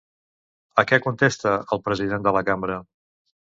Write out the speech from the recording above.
A què contesta el president de la Cambra?